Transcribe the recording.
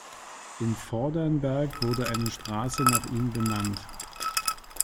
In Vordernberg wurde eine Straße nach ihm benannt.